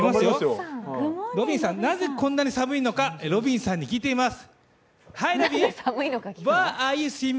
ロビンさん、なぜこんなに寒いのか聞いてみます。